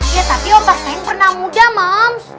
ya tapi opasnya yang pernah muda mams